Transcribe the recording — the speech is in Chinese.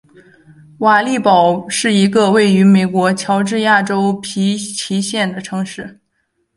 瓦利堡是一个位于美国乔治亚州皮奇县的城市。